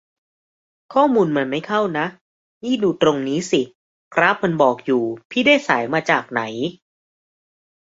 ข้อมูลมันไม่เข้านะ นี่ดูตรงนี้สิ กราฟมันบอกอยู่ พี่ได้สายมาจากไหน